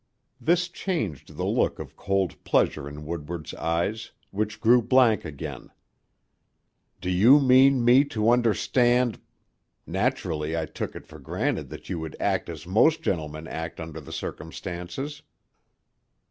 This changed the look of cold pleasure in Woodward's eyes, which grew blank again. "Do you mean me to understand Naturally, I took it for granted that you would act as most gentlemen act under the circumstances."